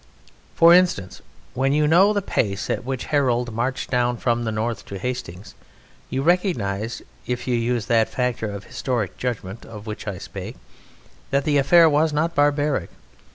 For instance, when you know the pace at which Harold marched down from the north to Hastings you recognize, if you use that factor of historic judgment of which I spake, that the affair was not barbaric.